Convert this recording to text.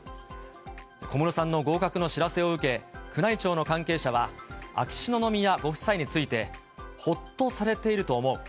小室さんの合格の知らせを受け、宮内庁の関係者は、秋篠宮ご夫妻について、ほっとされていると思う。